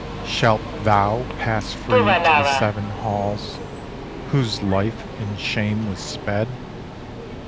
Shalt thou pass free to the Seven Halls whose life in shame was sped?"